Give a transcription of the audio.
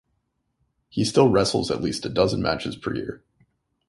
He still wrestles at least a dozen matches per year.